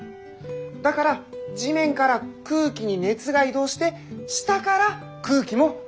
だから地面から空気に熱が移動して下から空気も温まるんです。